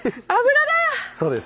そうです。